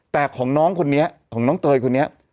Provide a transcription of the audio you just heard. แต่ของน้องคนนี้ของน้องเตยคนนี้